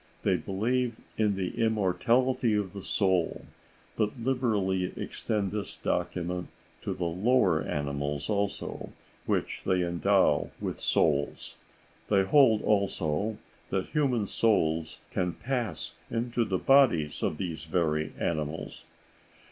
They believe in the immortality of the soul, but liberally extend this doctrine to the lower animals also, which they endow with souls. They hold, also, that human souls can pass into the bodies of these very animals.